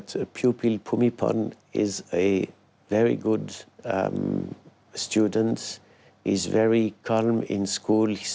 ที่พุมิพันธ์เป็นครัวที่ดีสงสัยง่ายมากขึ้น